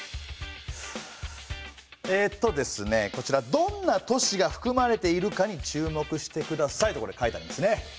「どんな都市が含まれているかに注目して下さい」とこれ書いてありますね。